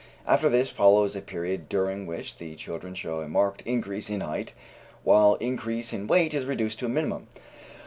After this follows a period during which the children show a marked increase in height, while increase in weight is reduced to a minimum.